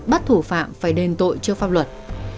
bắt thủ phạm phải đền tội chưa pháp luật